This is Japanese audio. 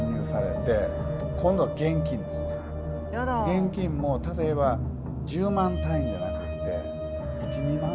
現金も例えば１０万単位じゃなくて１２万なんですよ。